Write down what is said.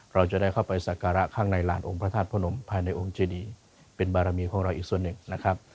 เราจะได้เข้าไปสักการะข้างในหลานองค์พระธาตุพระนมภายในองค์เจดีเป็นบารมีของเราอีกส่วนหนึ่งนะครับ